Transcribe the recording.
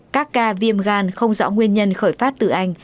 các ca viêm gan không rõ nguyên nhân khởi phát từ anh